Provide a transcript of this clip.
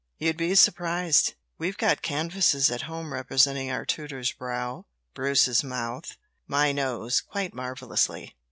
"You'd be surprised. We've got canvases at home representing our tutor's brow, Bruce's mouth, my nose, quite marvellously.